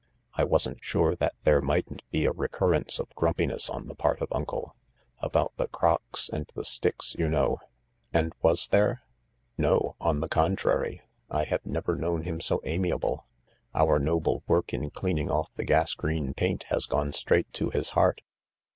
I wasn't sure that there mightn't be a recurrence of grumpiness on the part of Uncle. About the crocks and the sticks, you know." " And was there ?"" No — on the contrary. I have never known him so ami able. Our noble work in cleaning off the gas green paint has gone straight to his heart.